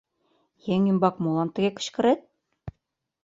Еҥ ӱмбак молан тыге кычкырет?